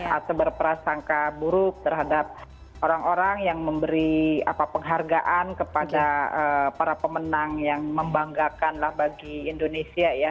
atau berperasangka buruk terhadap orang orang yang memberi apa penghargaan kepada para pemenang yang membanggakanlah bagi indonesia ya